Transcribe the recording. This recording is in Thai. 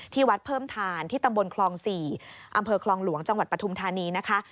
ที่วัดเพิ่มทานที่ตำบลคลอง๔อำเภอคลองหลวงจังหวัดปฐุมธานีนะคะ